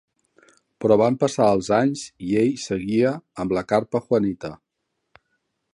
Però van passar els anys i ell seguia amb la carpa Juanita.